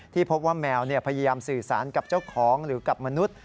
พบว่าแมวพยายามสื่อสารกับเจ้าของหรือกับมนุษย์